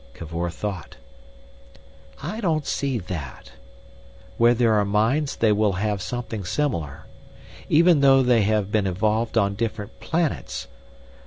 Cavor thought. "I don't see that. Where there are minds they will have something similar—even though they have been evolved on different planets.